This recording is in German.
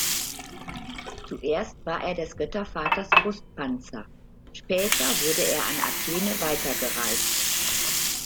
Zuerst war er des Göttervaters Brustpanzer; später wurde er an Athene weitergereicht.